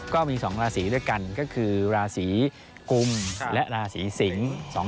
ก็มี๒ราศีด้วยกันก็คือราศีกุมและราศีสิงศ์